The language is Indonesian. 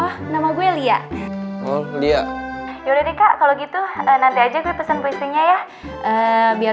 oh nama gue lia lia ya udah dika kalau gitu nanti aja gue pesen pusingnya ya biar